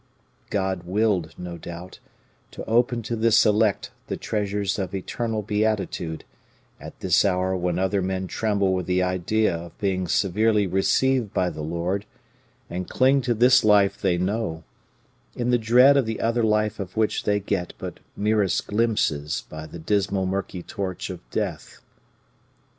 God willed, no doubt, to open to this elect the treasures of eternal beatitude, at this hour when other men tremble with the idea of being severely received by the Lord, and cling to this life they know, in the dread of the other life of which they get but merest glimpses by the dismal murky torch of death.